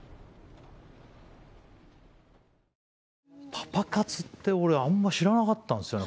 パパ活って俺あんま知らなかったんすよね